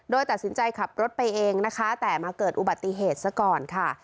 โดยตัดสินใจขับรถไปเองนะคะแต่มาเกิดอุบัติเหตุซะก่อนค่ะ